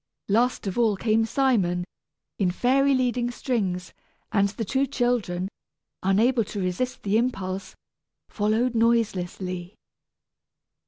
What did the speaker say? Last of all came Simon, in fairy leading strings, and the two children, unable to resist the impulse, followed noiselessly.